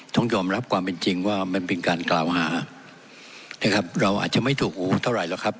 ต้องยอมรับความเป็นจริงว่ามันเป็นการกล่าวหานะครับเราอาจจะไม่ถูกหูเท่าไรหรอกครับ